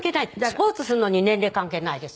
スポーツするのに年齢関係ないです。